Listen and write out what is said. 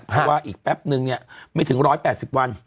เพราะว่าอีกแป๊บนึงเนี่ยไม่ถึง๑๘๐วัน